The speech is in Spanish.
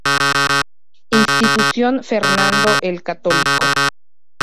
Institución Fernando el Católico.